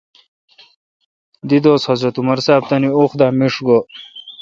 دیدوس حضرت عمر صاب تانی وخ دا میݭ گو۔